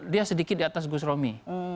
dia sedikit di atas gus romi